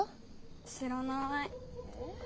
知らなーい。